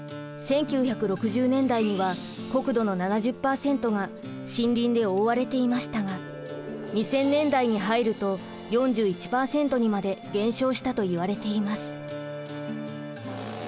１９６０年代には国土の７０％が森林で覆われていましたが２０００年代に入ると４１％にまで減少したといわれています。